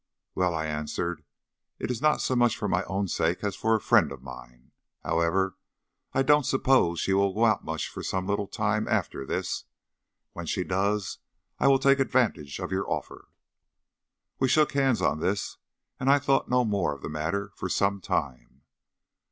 "Well," I answered, "it's not so much for my own sake as for a friend of mine. However, I don't suppose she will go out much for some little time after this. When she does I will take advantage of your offer." We shook hands on this, and I thought no more of the matter for some time.